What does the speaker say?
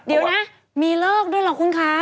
เดี๋ยวนะมีเลิกด้วยหรอกคุณคะ